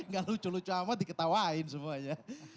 gak lucu lucu amat diketawain semuanya